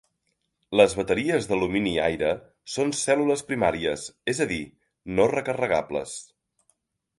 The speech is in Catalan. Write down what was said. Les bateries d'alumini-aire són cèl·lules primàries, és a dir, no recarregables.